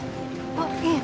あっいえ